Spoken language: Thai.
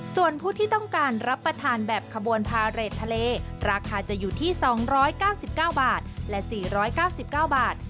ส่วนผู้ที่ต้องการรับประทานแบบขบวนพาเรททะเลราคาจะอยู่ที่๒๙๙บาทและ๔๙๙บาท